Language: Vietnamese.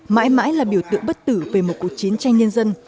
mãi mãi là biểu tượng bất tử về một cuộc chiến tranh nhân dân